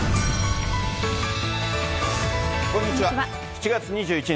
７月２１日